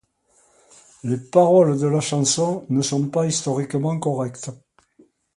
Les paroles de la chanson ne sont pas historiquement correctes.